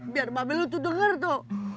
biar mabe lu tuh denger tuh